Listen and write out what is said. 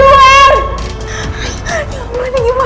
tolong buka pintunya di luar